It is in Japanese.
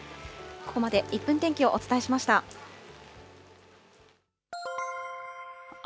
ここまで１分天気をお伝えしました。